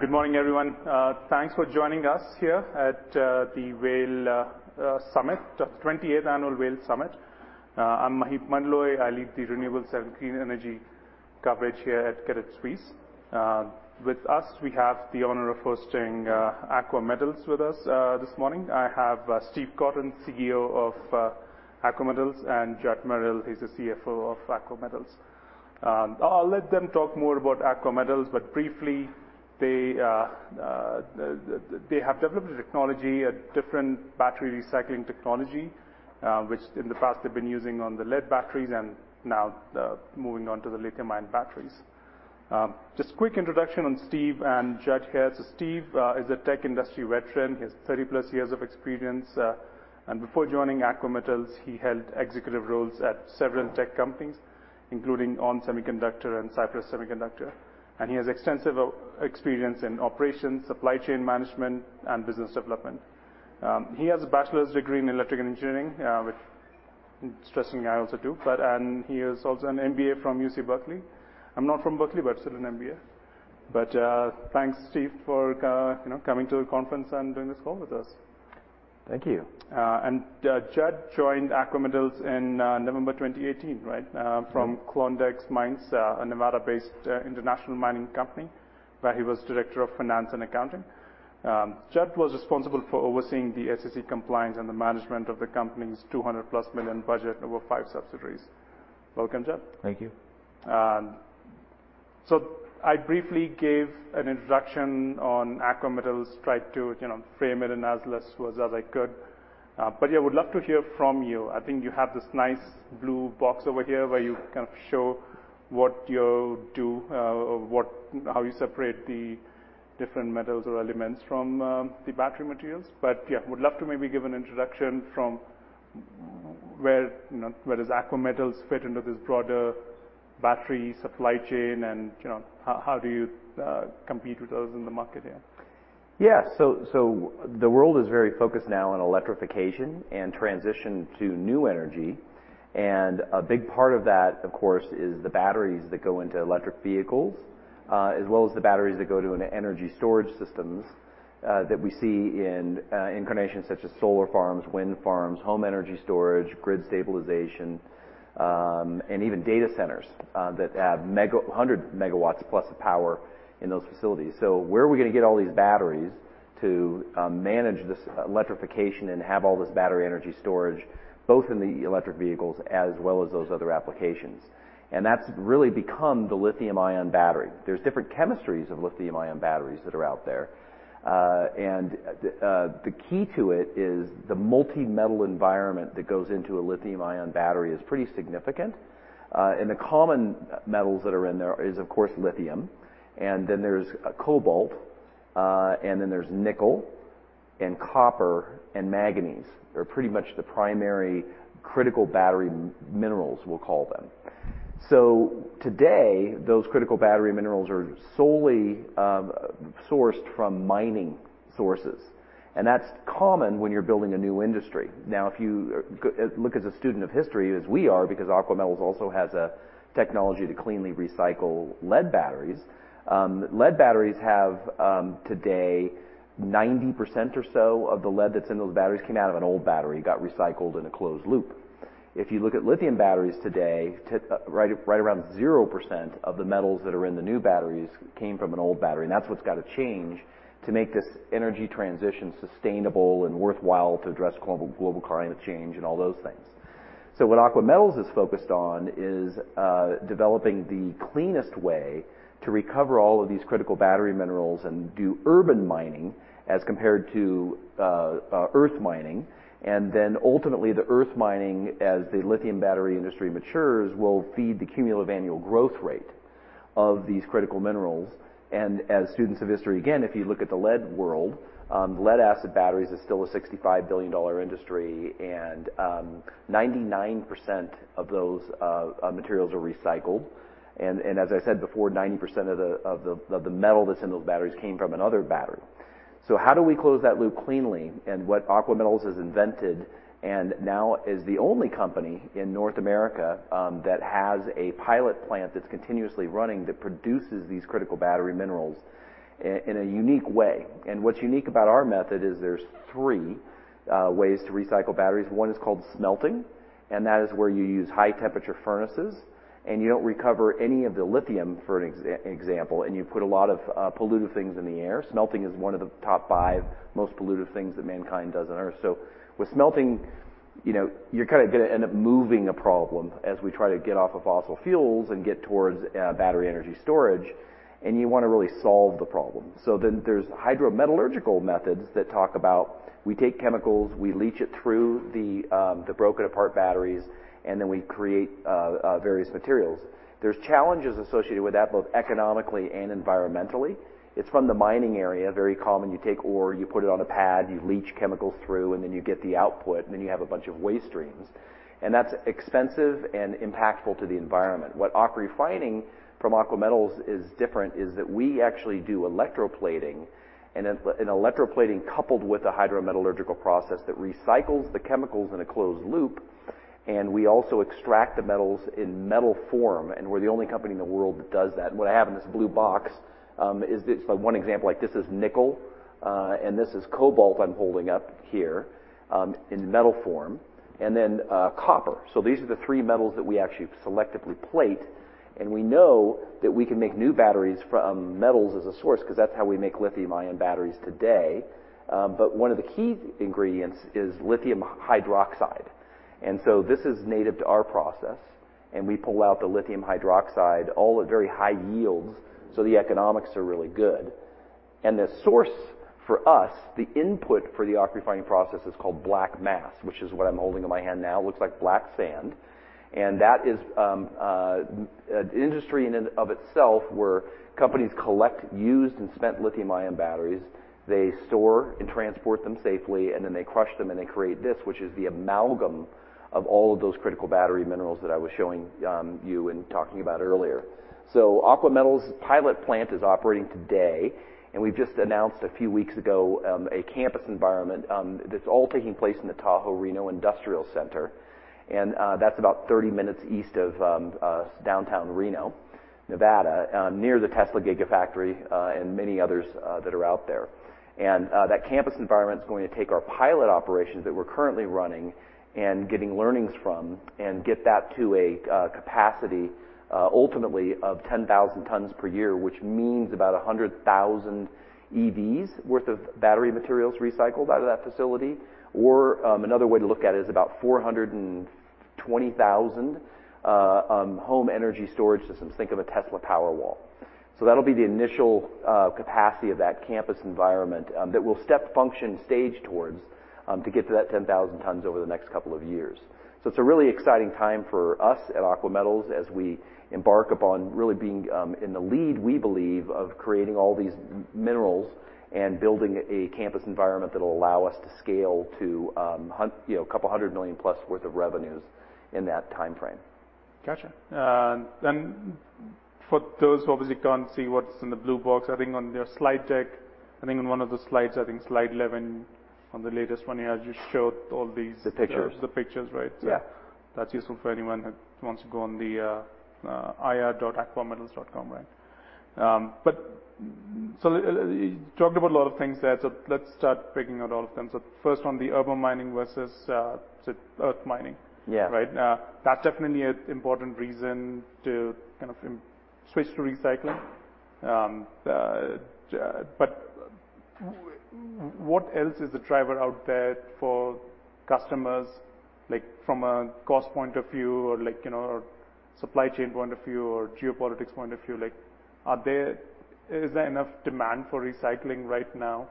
Good morning, everyone. Thanks for joining us here at the Vail Summit, the 28th annual Vail Summit. I'm Maheep Mandloi. I lead the renewables and clean energy coverage here at Credit Suisse. With us, we have the honor of hosting Aqua Metals with us this morning. I have Steve Cotton, CEO of Aqua Metals, and Judd Merrill. He's the CFO of Aqua Metals. I'll let them talk more about Aqua Metals, but briefly, they have developed a technology, a different battery recycling technology, which in the past they've been using on the lead batteries and now moving on to the lithium-ion batteries. Just quick introduction on Steve and Judd here. Steve is a tech industry veteran. He has 30+ years of experience, and before joining Aqua Metals, he held executive roles at several tech companies, including ON Semiconductor and Cypress Semiconductor, and he has extensive experience in operations, supply chain management, and business development. He has a bachelor's degree in electrical engineering, which I'm stressing I also do, and he has also an MBA from UC Berkeley. I'm not from Berkeley, but I still did MBA. Thanks, Steve, for, you know, coming to the conference and doing this call with us. Thank you. Judd joined Aqua Metals in November 2018, right? Mm-hmm. From Klondex Mines, a Nevada-based, international mining company, where he was Director of Finance and Accounting. Judd was responsible for overseeing the SEC compliance and the management of the company's $200+ million budget over five subsidiaries. Welcome, Judd. Thank you. I briefly gave an introduction on Aqua Metals. Tried to, you know, frame it in as less words as I could. Yeah, would love to hear from you. I think you have this nice blue box over here where you kind of show what you do, or how you separate the different metals or elements from the battery materials. Yeah, would love to maybe give an introduction from where, you know, where does Aqua Metals fit into this broader battery supply chain and, you know, how do you compete with others in the market here? The world is very focused now on electrification and transition to new energy. A big part of that, of course, is the batteries that go into electric vehicles, as well as the batteries that go into energy storage systems, that we see in incarnations such as solar farms, wind farms, home energy storage, grid stabilization, and even data centers that have 100 MW+ of power in those facilities. Where are we gonna get all these batteries to manage this electrification and have all this battery energy storage, both in the electric vehicles as well as those other applications? That's really become the lithium-ion battery. There's different chemistries of lithium-ion batteries that are out there. The key to it is the multi-metal environment that goes into a lithium-ion battery is pretty significant. The common metals that are in there is, of course, lithium, and then there's cobalt, and then there's nickel and copper and manganese. They're pretty much the primary critical battery minerals, we'll call them. Today, those critical battery minerals are solely sourced from mining sources, and that's common when you're building a new industry. If you look as a student of history, as we are, because Aqua Metals also has a technology to cleanly recycle lead batteries, lead batteries have today 90% or so of the lead that's in those batteries came out of an old battery, got recycled in a closed loop. If you look at lithium batteries today, right around 0% of the metals that are in the new batteries came from an old battery, and that's what's gotta change to make this energy transition sustainable and worthwhile to address global climate change and all those things. What Aqua Metals is focused on is developing the cleanest way to recover all of these critical battery minerals and do urban mining as compared to earth mining. Ultimately, the earth mining, as the lithium battery industry matures, will feed the cumulative annual growth rate of these critical minerals. As students of history, again, if you look at the lead world, lead-acid batteries is still a $65 billion industry, and 99% of those materials are recycled. As I said before, 90% of the metal that's in those batteries came from another battery. How do we close that loop cleanly? What Aqua Metals has invented, and now is the only company in North America, that has a pilot plant that's continuously running that produces these critical battery minerals in a unique way. What's unique about our method is there's three ways to recycle batteries. One is called smelting, and that is where you use high-temperature furnaces, and you don't recover any of the lithium, for an example, and you put a lot of pollutive things in the air. Smelting is one of the top five most pollutive things that mankind does on Earth. With smelting, you know, you're kinda gonna end up moving a problem as we try to get off of fossil fuels and get towards battery energy storage, and you wanna really solve the problem. There's hydrometallurgical methods that talk about we take chemicals, we leach it through the broken apart batteries, and then we create various materials. There's challenges associated with that, both economically and environmentally. It's from the mining area, very common. You take ore, you put it on a pad, you leach chemicals through, and then you get the output, and then you have a bunch of waste streams. That's expensive and impactful to the environment. What AquaRefining from Aqua Metals is different is that we actually do electroplating, an electroplating coupled with a hydrometallurgical process that recycles the chemicals in a closed loop. We also extract the metals in metal form, and we're the only company in the world that does that. What I have in this blue box is this one example, like this is nickel, and this is cobalt I'm holding up here in metal form, and then copper. These are the three metals that we actually selectively plate, and we know that we can make new batteries from metals as a source because that's how we make lithium-ion batteries today. One of the key ingredients is lithium hydroxide. This is native to our process, and we pull out the lithium hydroxide, all at very high yields, so the economics are really good. The source for us, the input for the AquaRefining process is called black mass, which is what I'm holding in my hand now. It looks like black sand. That is industry in and of itself, where companies collect used and spent lithium-ion batteries. They store and transport them safely, and then they crush them, and they create this, which is the amalgam of all of those critical battery minerals that I was showing you and talking about earlier. Aqua Metals' pilot plant is operating today, and we've just announced a few weeks ago, a campus environment that's all taking place in the Tahoe Reno Industrial Center. That's about 30 minutes east of downtown Reno, Nevada, near the Tesla Gigafactory, and many others that are out there. That campus environment is going to take our pilot operations that we're currently running and getting learnings from and get that to a capacity ultimately of 10,000 tons per year, which means about 100,000 EVs worth of battery materials recycled out of that facility. Or another way to look at it is about 420,000 home energy storage systems. Think of a Tesla Powerwall. That'll be the initial capacity of that campus environment that we'll step function stage towards to get to that 10,000 tons over the next couple of years. It's a really exciting time for us at Aqua Metals as we embark upon really being in the lead, we believe, of creating all these minerals and building a campus environment that will allow us to scale to you know, $200 million+ worth of revenues in that timeframe. Gotcha. For those who obviously can't see what's in the blue box, I think on your slide deck, I think in one of the slides, I think Slide 11 on the latest one, yeah, you showed all these- The pictures. The pictures, right? Yeah. That's useful for anyone who wants to go on the ir.aquametals.com, right? But you talked about a lot of things there. Let's start picking out all of them. First one, the urban mining versus earth mining. Yeah. Right? That's definitely an important reason to kind of switch to recycling. What else is the driver out there for customers, like from a cost point of view or, you know, supply chain point of view or geopolitics point of view? Is there enough demand for recycling right now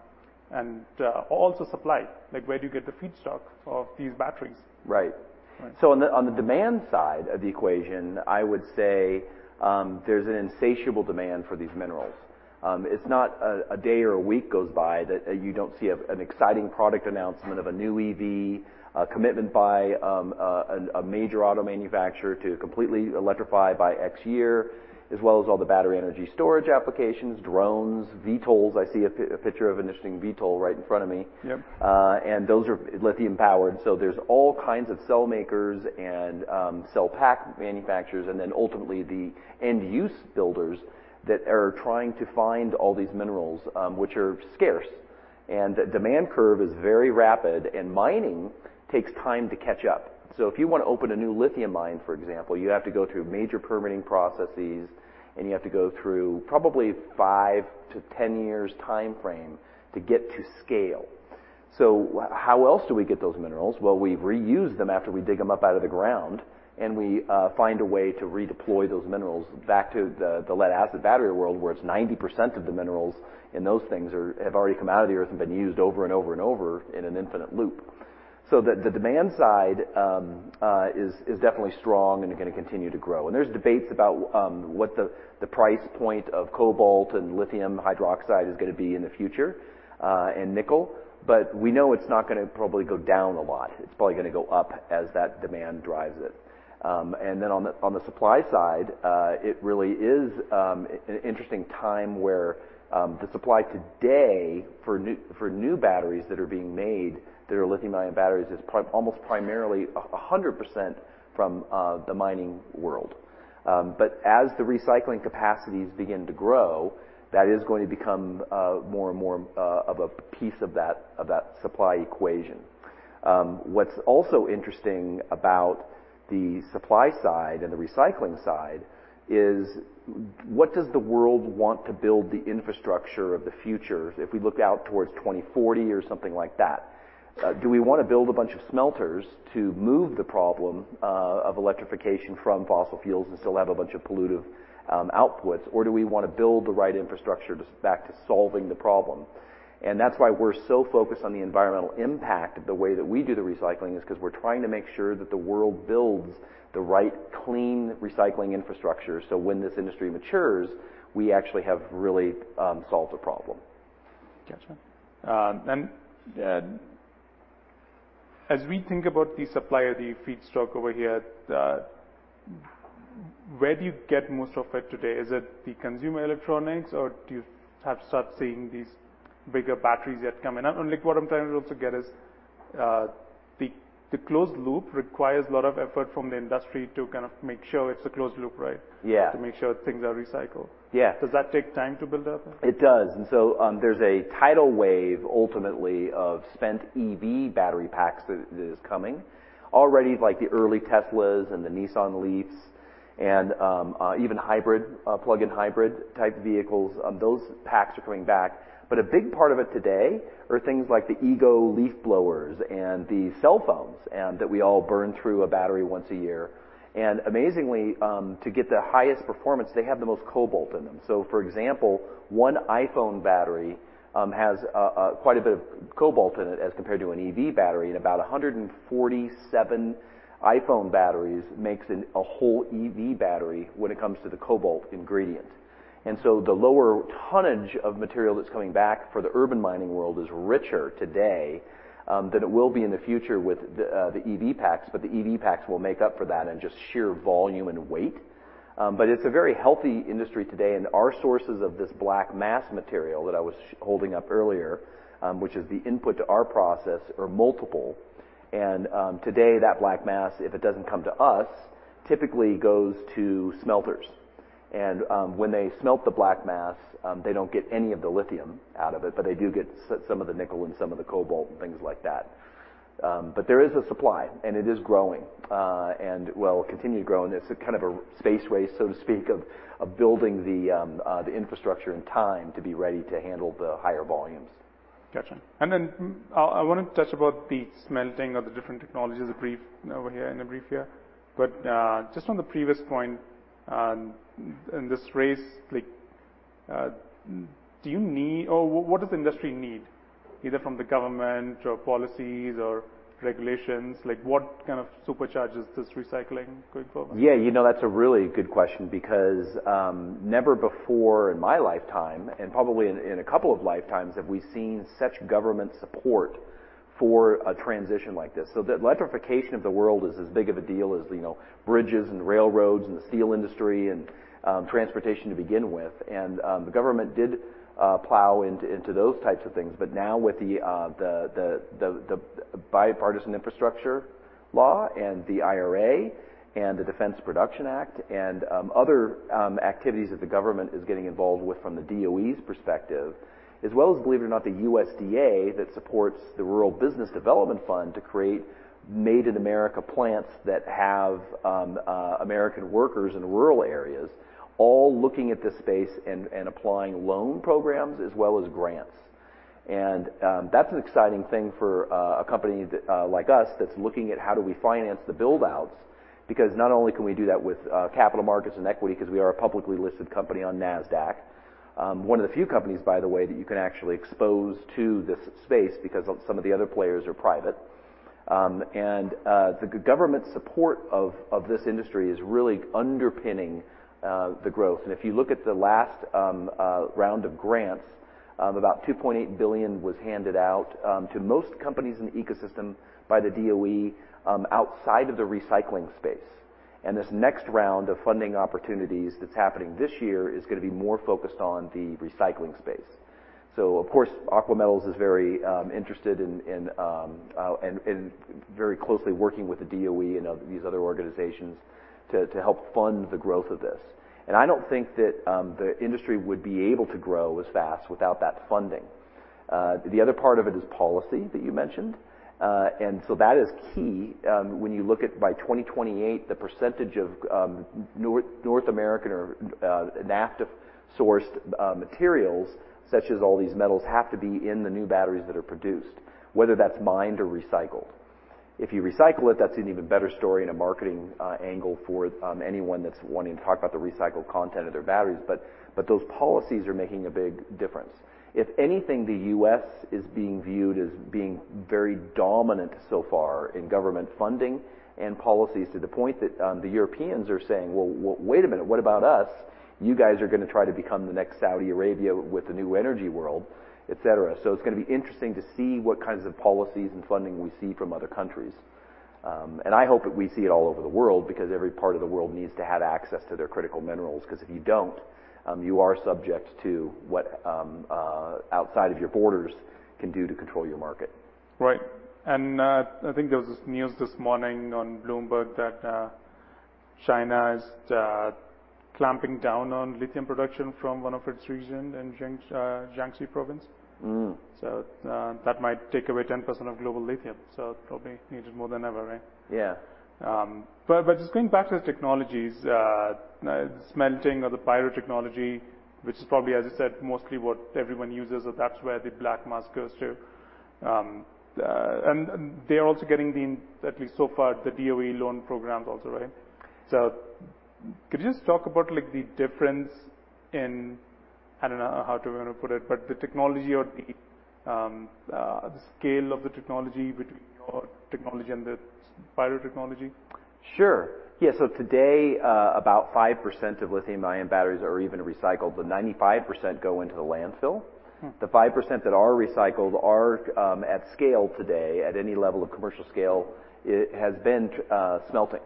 and also supply? Where do you get the feedstock of these batteries? Right. Right. On the, on the demand side of the equation, I would say, there's an insatiable demand for these minerals. It's not a day or a week goes by that you don't see an exciting product announcement of a new EV, a commitment by a major auto manufacturer to completely electrify by X year, as well as all the battery energy storage applications, drones, VTOLs. I see a picture of an interesting VTOL right in front of me. Yep. Those are lithium-powered. There's all kinds of cell makers and cell pack manufacturers, and then ultimately the end-use builders that are trying to find all these minerals, which are scarce. The demand curve is very rapid, and mining takes time to catch up. If you wanna open a new lithium mine, for example, you have to go through major permitting processes, and you have to go through probably five to 10 years timeframe to get to scale. How else do we get those minerals? Well, we reuse them after we dig them up out of the ground, and we find a way to redeploy those minerals back to the lead-acid battery world, where it's 90% of the minerals in those things have already come out of the earth and been used over and over and over in an infinite loop. The demand side is definitely strong and gonna continue to grow. There's debates about what the price point of cobalt and lithium hydroxide is gonna be in the future, and nickel, but we know it's not gonna probably go down a lot. It's probably gonna go up as that demand drives it. On the, on the supply side, it really is an interesting time where the supply today for new, for new batteries that are being made that are lithium-ion batteries is almost primarily 100% from the mining world. As the recycling capacities begin to grow, that is going to become more and more of a piece of that, of that supply equation. What's also interesting about the supply side and the recycling side is what does the world want to build the infrastructure of the future if we look out towards 2040 or something like that? Do we wanna build a bunch of smelters to move the problem of electrification from fossil fuels and still have a bunch of pollutive outputs? Do we wanna build the right infrastructure just back to solving the problem? That's why we're so focused on the environmental impact of the way that we do the recycling is 'cause we're trying to make sure that the world builds the right clean recycling infrastructure, so when this industry matures, we actually have really, solved the problem. Gotcha. As we think about the supply of the feedstock over here, where do you get most of it today? Is it the consumer electronics or do you have start seeing these bigger batteries that come in? And like what I'm trying to also get is, the closed loop requires a lot of effort from the industry to kind of make sure it's a closed loop, right? Yeah. To make sure things are recycled. Yeah. Does that take time to build up? It does. There's a tidal wave ultimately of spent EV battery packs that is coming. Already like the early Teslas and the Nissan LEAF and even hybrid, plug-in hybrid type vehicles, those packs are coming back. A big part of it today are things like the EGO leaf blowers and the cell phones that we all burn through a battery once a year. Amazingly, to get the highest performance, they have the most cobalt in them. For example, one iPhone battery has quite a bit of cobalt in it as compared to an EV battery, and about 147 iPhone batteries makes a whole EV battery when it comes to the cobalt ingredient. The lower tonnage of material that's coming back for the urban mining world is richer today than it will be in the future with the EV packs, but the EV packs will make up for that in just sheer volume and weight. It's a very healthy industry today, and our sources of this black mass material that I was holding up earlier, which is the input to our process, are multiple. Today that black mass, if it doesn't come to us, typically goes to smelters. When they smelt the black mass, they don't get any of the lithium out of it, but they do get some of the nickel and some of the cobalt and things like that. There is a supply, and it is growing and will continue growing. It's a kind of a space race, so to speak, of building the infrastructure and time to be ready to handle the higher volumes. Gotcha. I wanna touch about the smelting of the different technologies a brief over here in a brief here. Just on the previous point, in this race, like, do you need or what does the industry need either from the government or policies or regulations? Like, what kind of supercharge is this recycling going forward? Yeah, you know, that's a really good question because, never before in my lifetime, and probably in a couple of lifetimes, have we seen such government support for a transition like this. The electrification of the world is as big of a deal as, you know, bridges and railroads and the steel industry and, transportation to begin with. The government did plow into those types of things. Now with the Bipartisan Infrastructure Law and the IRA and the Defense Production Act and other activities that the government is getting involved with from the DOE's perspective, as well as, believe it or not, the USDA that supports the Rural Business Development Fund to create made-in-America plants that have American workers in rural areas, all looking at this space and applying loan programs as well as grants. That's an exciting thing for a company like us that's looking at how do we finance the build outs, because not only can we do that with capital markets and equity 'cause we are a publicly listed company on Nasdaq. One of the few companies, by the way, that you can actually expose to this space because of some of the other players are private. The government support of this industry is really underpinning the growth. If you look at the last round of grants, about $2.8 billion was handed out to most companies in the ecosystem by the DOE outside of the recycling space. This next round of funding opportunities that's happening this year is gonna be more focused on the recycling space. Of course, Aqua Metals is very interested in and very closely working with the DOE and these other organizations to help fund the growth of this. I don't think that the industry would be able to grow as fast without that funding. The other part of it is policy that you mentioned. That is key when you look at by 2028, the percentage of North American or NAFTA-sourced materials, such as all these metals, have to be in the new batteries that are produced, whether that's mined or recycled. If you recycle it, that's an even better story and a marketing angle for anyone that's wanting to talk about the recycled content of their batteries. Those policies are making a big difference. If anything, the U.S. is being viewed as being very dominant so far in government funding and policies to the point that the Europeans are saying, "Well, wait a minute, what about us? You guys are gonna try to become the next Saudi Arabia with the new energy world, et cetera." It's gonna be interesting to see what kinds of policies and funding we see from other countries. I hope that we see it all over the world because every part of the world needs to have access to their critical minerals, because if you don't, you are subject to what outside of your borders can do to control your market. Right. I think there was this news this morning on Bloomberg that China is clamping down on lithium production from one of its region in Jiangxi Province. Mm. That might take away 10% of global lithium, so probably needed more than ever, right? Yeah. Just going back to the technologies, smelting or the pyro technology, which is probably, as you said, mostly what everyone uses, so that's where the black mass goes to. They're also getting the at least so far, the DOE loan programs also, right? Could you just talk about like the difference in, I don't know how to even put it, but the technology or the scale of the technology between your technology and the pyro technology? Sure. Yeah. Today, about 5% of lithium-ion batteries are even recycled, but 95% go into the landfill. Mm. The 5% that are recycled are, at scale today, at any level of commercial scale, it has been, smelting.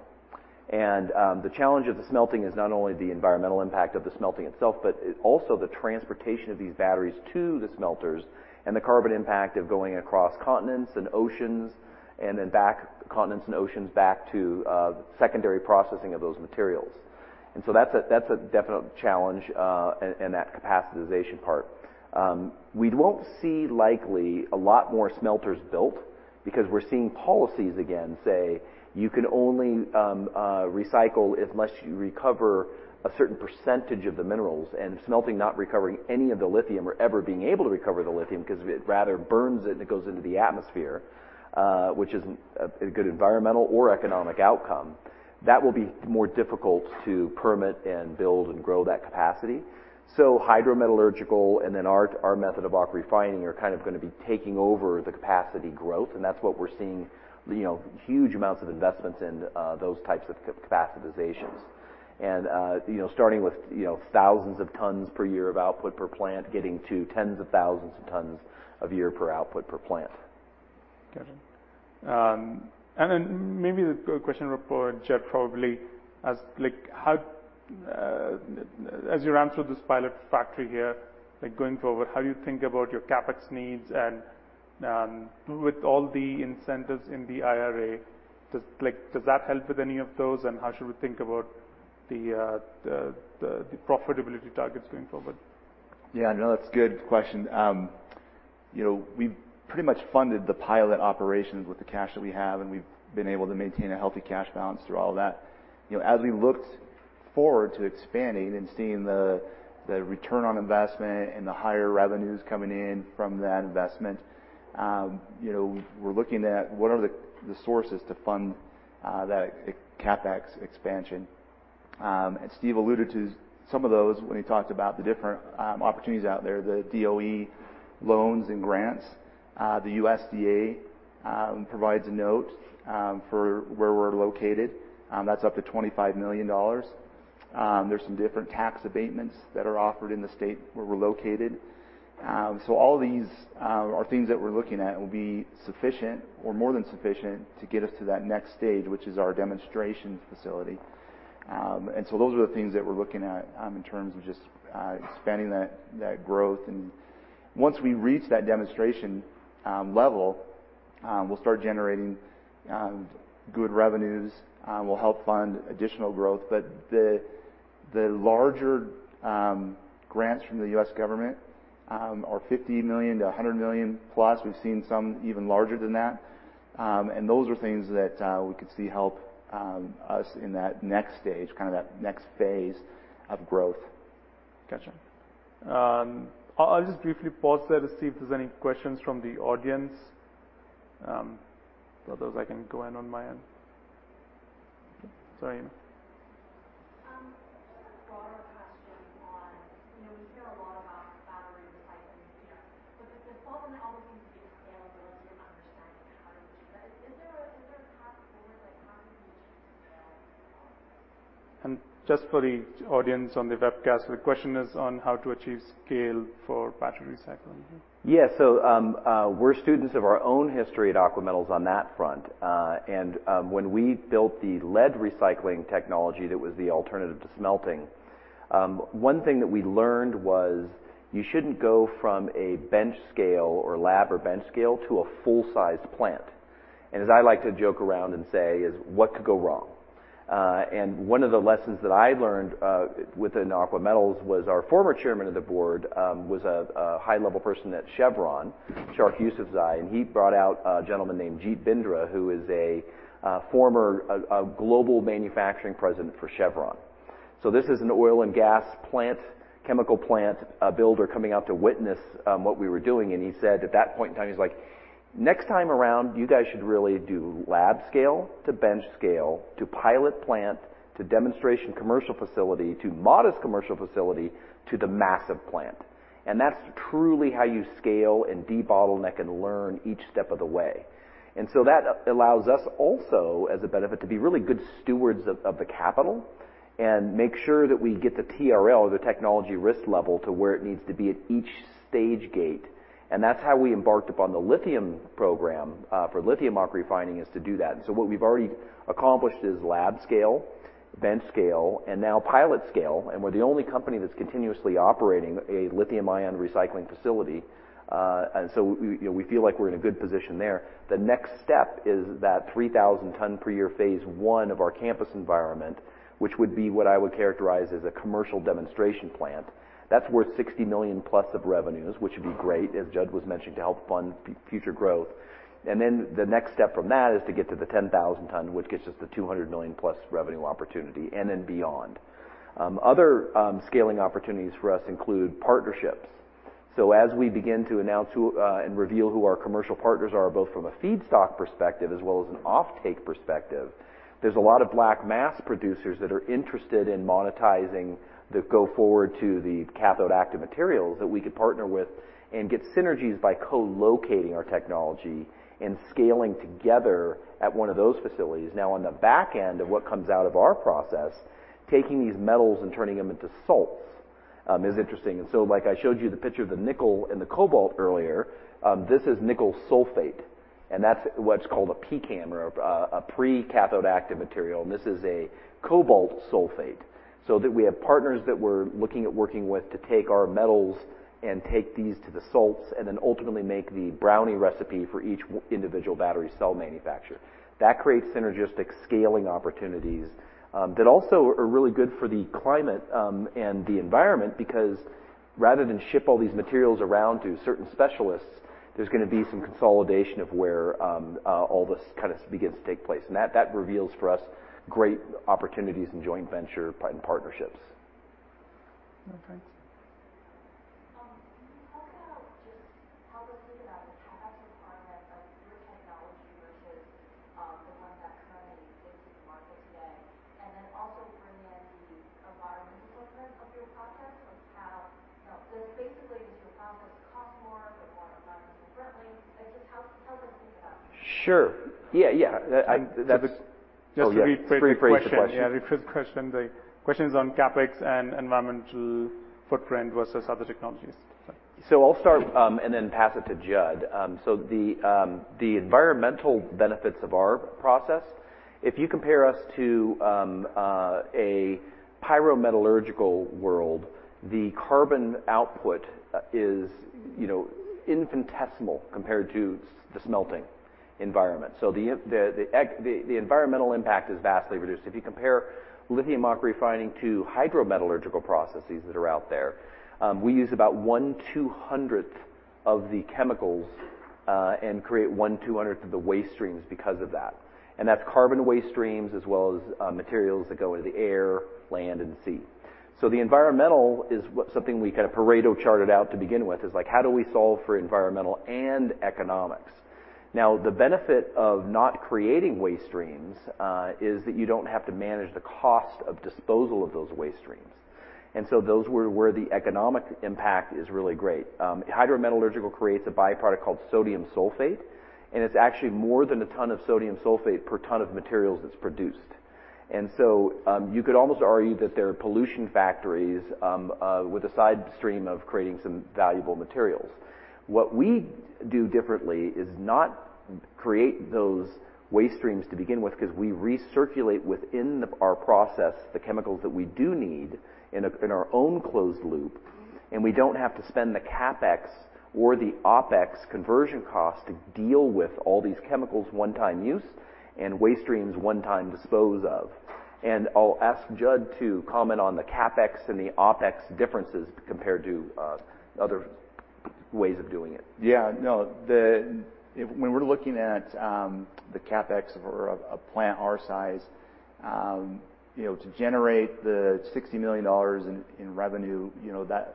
The challenge of the smelting is not only the environmental impact of the smelting itself, but also the transportation of these batteries to the smelters and the carbon impact of going across continents and oceans, and then back to, secondary processing of those materials. That's a definite challenge, in that capacitization part. We won't see likely a lot more smelters built because we're seeing policies again say, "You can only recycle unless you recover a certain percentage of the minerals." Smelting not recovering any of the lithium or ever being able to recover the lithium because it rather burns it and it goes into the atmosphere, which isn't a good environmental or economic outcome. That will be more difficult to permit and build and grow that capacity. Hydrometallurgical and then our method of AquaRefining are kind of gonna be taking over the capacity growth, and that's what we're seeing, you know, huge amounts of investments in those types of capacitizations. Starting with, you know, thousands of tons per year of output per plant, getting to tens of thousands of tons of year per output per plant. Gotcha. Then maybe the question for Judd probably, as you ran through this pilot factory here, going forward, how you think about your CapEx needs and, with all the incentives in the IRA, does that help with any of those, and how should we think about the profitability targets going forward? That's a good question. You know, we've pretty much funded the pilot operations with the cash that we have, and we've been able to maintain a healthy cash balance through all that. You know, as we looked forward to expanding and seeing the ROI and the higher revenues coming in from that investment, you know, we're looking at what are the sources to fund that CapEx expansion. Steve alluded to some of those when he talked about the different opportunities out there, the DOE loans and grants. The USDA provides a note for where we're located, that's up to $25 million. There's some different tax abatements that are offered in the state where we're located. So all these are things that we're looking at will be sufficient or more than sufficient to get us to that next stage, which is our demonstration facility. And so those are the things that we're looking at in terms of just expanding that growth. And once we reach that demonstration level, we'll start generating good revenues, we'll help fund additional growth. But the larger grants from the U.S. government are $50 million-$100 million+. We've seen some even larger than that. And those are things that we could see help us in that next stage, kind of that next phase of growth. Gotcha. I'll just briefly pause there to see if there's any questions from the audience. Else I can go in on my end. Okay. Sorry. just a broader question on, you know, we hear a lot about battery recycling here. The default then always seems to be scalability and understanding how to achieve that. Is there a path forward, like how do you achieve scale going forward? Just for the audience on the webcast, the question is on how to achieve scale for battery recycling. Yeah. We're students of our own history at Aqua Metals on that front. When we built the lead recycling technology that was the alternative to smelting, one thing that we learned was you shouldn't go from a bench scale or lab or bench scale to a full-sized plant. As I like to joke around and say is, "What could go wrong?" One of the lessons that I learned within Aqua Metals was our former Chairman of the Board was a high-level person at Chevron, Shariq Yosufzai, and he brought out a gentleman named Jeet Bindra, who is a former global manufacturing president for Chevron. This is an oil and gas plant, chemical plant, builder coming out to witness what we were doing. He said, at that point in time, he's like, "Next time around, you guys should really do lab scale to bench scale to pilot plant to demonstration commercial facility to modest commercial facility to the massive plant." That's truly how you scale and debottleneck and learn each step of the way. That allows us also, as a benefit, to be really good stewards of the capital and make sure that we get the TRL, the technology risk level, to where it needs to be at each stage gate. That's how we embarked upon the lithium program for lithium AquaRefining is to do that. What we've already accomplished is lab scale, bench scale, and now pilot scale, and we're the only company that's continuously operating a lithium-ion recycling facility. We, you know, feel like we're in a good position there. The next step is that 3,000 ton per year phase one of our campus environment, which would be what I would characterize as a commercial demonstration plant. That's worth $60 million+ of revenues, which would be great, as Judd was mentioning, to help fund future growth. The next step from that is to get to the 10,000 ton, which gets us to $200 million+ revenue opportunity, and then beyond. Other scaling opportunities for us include partnerships. As we begin to announce who and reveal who our commercial partners are, both from a feedstock perspective as well as an offtake perspective, there's a lot of black mass producers that are interested in monetizing the go forward to the cathode active materials that we could partner with and get synergies by co-locating our technology and scaling together at one of those facilities. On the back end of what comes out of our process, taking these metals and turning them into salts is interesting. Like I showed you the picture of the nickel and the cobalt earlier, this is nickel sulfate, and that's what's called a PCAM or a pre-cathode active material. This is a cobalt sulfate. that we have partners that we're looking at working with to take our metals and take these to the salts, and then ultimately make the brownie recipe for each individual battery cell manufacturer. That creates synergistic scaling opportunities, that also are really good for the climate, and the environment, because rather than ship all these materials around to certain specialists, there's gonna be some consolidation of where, all this kinda begins to take place. That reveals for us great opportunities in joint venture partnerships. No thanks. Can you talk about just how to think about the CapEx requirement of your technology versus the ones that currently exist in the market today? Also bring in the environmental footprint of your process and how. Basically, does your process cost more but more environmentally friendly? Just help us think about it. Sure. Yeah. That, I'm. So the- Oh, yeah. Just to rephrase the question. Rephrase the question. Rephrase the question. The question's on CapEx and environmental footprint versus other technologies. I'll start, and then pass it to Judd. The environmental benefits of our process, if you compare us to, a pyrometallurgical world, the carbon output, is, you know, infinitesimal compared to the smelting environment. The environmental impact is vastly reduced. If you compare Li AquaRefining to hydrometallurgical processes that are out there, we use about one two-hundredth of the chemicals, and create one two-hundredth of the waste streams because of that. That's carbon waste streams as well as, materials that go into the air, land, and sea. The environmental is what something we kind of Pareto charted out to begin with, is like, how do we solve for environmental and economics? Now, the benefit of not creating waste streams is that you don't have to manage the cost of disposal of those waste streams. Those were where the economic impact is really great. Hydrometallurgical creates a byproduct called sodium sulfate, and it's actually more than a ton of sodium sulfate per ton of materials that's produced. You could almost argue that they're pollution factories with a side stream of creating some valuable materials. What we do differently is not create those waste streams to begin with 'cause we recirculate within our process the chemicals that we do need in our own closed loop, and we don't have to spend the CapEx or the OpEx conversion cost to deal with all these chemicals one time use and waste streams one time dispose of. I'll ask Judd to comment on the CapEx and the OpEx differences compared to other ways of doing it. Yeah. No. When we're looking at the CapEx for a plant our size, you know, to generate $60 million in revenue, you know, the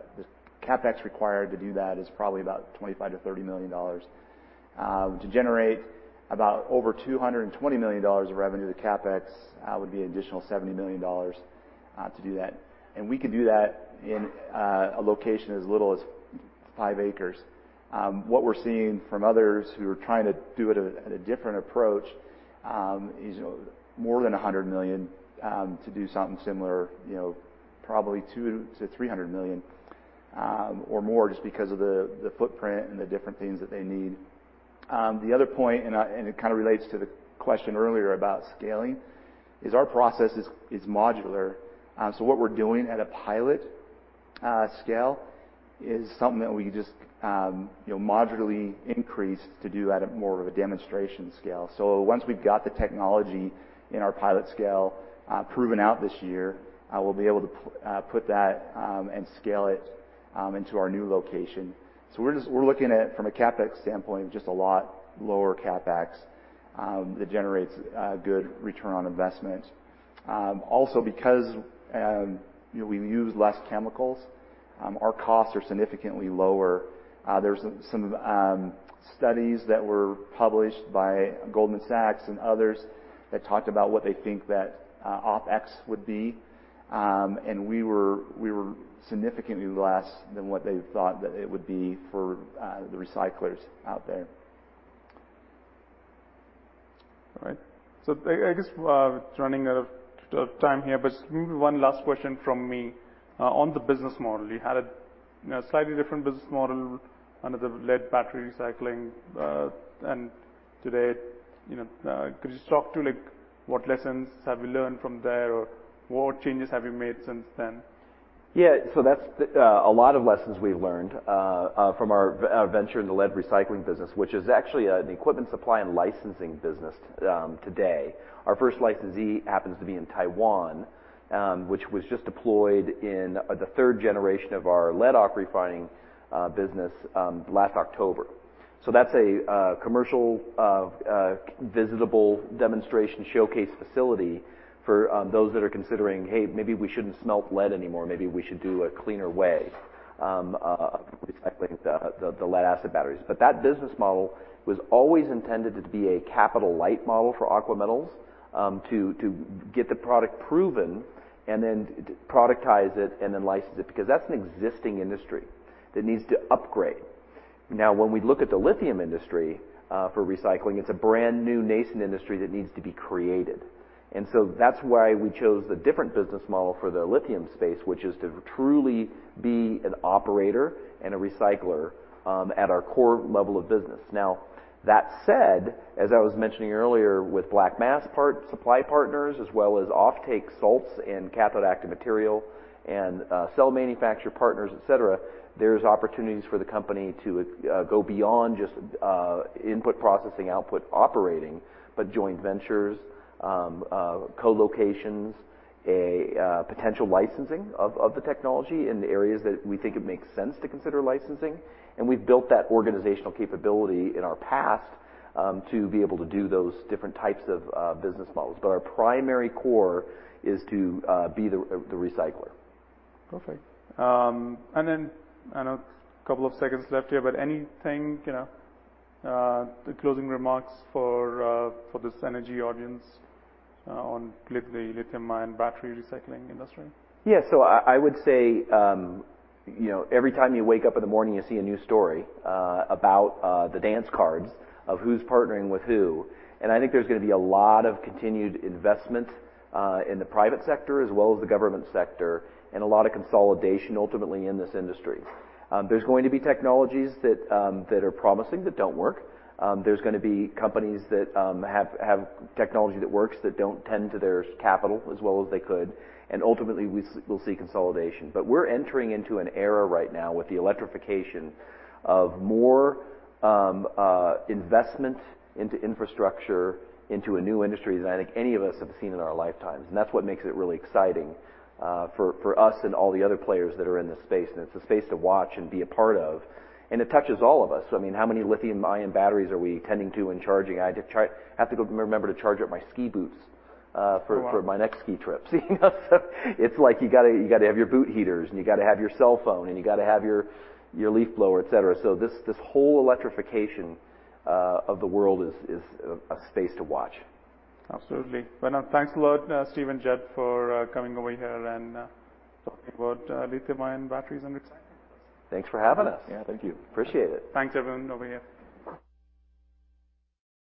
CapEx required to do that is probably about $25 million-$30 million. To generate about over $220 million of revenue, the CapEx would be an additional $70 million to do that. We can do that in a location as little as five acres. What we're seeing from others who are trying to do it at a different approach is, you know, more than $100 million to do something similar, you know, probably $200 million-$300 million or more just because of the footprint and the different things that they need. The other point, and I, and it kinda relates to the question earlier about scaling, is our process is modular. What we're doing at a pilot scale is something that we just, you know, modularly increase to do at a more of a demonstration scale. Once we've got the technology in our pilot scale proven out this year, we'll be able to put that and scale it into our new location. We're looking at, from a CapEx standpoint, just a lot lower CapEx that generates a good return on investment. Because, you know, we use less chemicals, our costs are significantly lower. There's some studies that were published by Goldman Sachs and others that talked about what they think that OpEx would be. We were significantly less than what they thought that it would be for the recyclers out there. All right. I guess we're running out of time here. Maybe one last question from me on the business model. You had a, you know, slightly different business model under the lead battery recycling, today, you know, could you just talk through like what lessons have you learned from there, or what changes have you made since then? Yeah. A lot of lessons we've learned from our venture in the lead recycling business, which is actually an equipment supply and licensing business today. Our first licensee happens to be in Taiwan, which was just deployed in the third generation of our lead AquaRefining business last October. That's a commercial visitable demonstration showcase facility for those that are considering, "Hey, maybe we shouldn't smelt lead anymore. Maybe we should do a cleaner way of recycling the lead-acid batteries. That business model was always intended to be a capital light model for Aqua Metals to get the product proven and then productize it and then license it, because that's an existing industry that needs to upgrade. Now when we look at the lithium industry for recycling, it's a brand new nascent industry that needs to be created. That's why we chose a different business model for the lithium space, which is to truly be an operator and a recycler at our core level of business. That said, as I was mentioning earlier with black mass supply partners, as well as offtake salts and cathode active material and cell manufacturer partners, et cetera, there's opportunities for the company to go beyond just input processing, output operating, but joint ventures, co-locations, a potential licensing of the technology in the areas that we think it makes sense to consider licensing. We've built that organizational capability in our past to be able to do those different types of business models. Our primary core is to be the recycler. Perfect. I know a couple of seconds left here, but anything, you know, the closing remarks for this energy audience on lithium-ion battery recycling industry? Yeah. I would say, you know, every time you wake up in the morning, you see a new story about the dance cards of who's partnering with who. I think there's gonna be a lot of continued investment in the private sector as well as the government sector, and a lot of consolidation ultimately in this industry. There's going to be technologies that are promising that don't work. There's gonna be companies that have technology that works that don't tend to their capital as well as they could. Ultimately we'll see consolidation. We're entering into an era right now with the electrification of more investment into infrastructure into a new industry than I think any of us have seen in our lifetimes. That's what makes it really exciting, for us and all the other players that are in this space. It's a space to watch and be a part of, and it touches all of us. I mean, how many lithium-ion batteries are we tending to and charging? I have to go remember to charge up my ski boots. Oh, wow! For my next ski trip, you know? It's like you gotta have your boot heaters, and you gotta have your cell phone, and you gotta have your leaf blower, et cetera. This whole electrification of the world is a space to watch. Absolutely. Well, now thanks a lot, Steve and Judd for coming over here and talking about lithium-ion batteries and recycling. Thanks for having us. Yeah. Thank you. Appreciate it. Thanks everyone over here.